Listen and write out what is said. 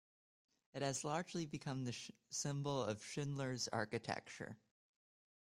It has largely become the symbol of Schindler's architecture.